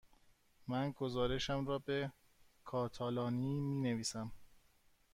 من گزارشم را به کاتالانی می نویسم.